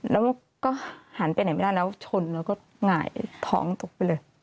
แล้วก็หันไปไหนไม่ได้แล้วชนแล้วก็หงายท้องตกไปเลย